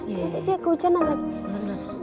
nanti dia ke hujannya lagi